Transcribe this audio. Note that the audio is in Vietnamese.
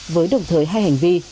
với đồng thời hai hành vi